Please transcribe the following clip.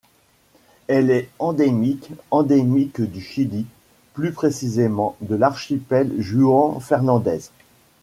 Elle est endémique endémique du Chili, plus précisément de l'Archipel Juan Fernández.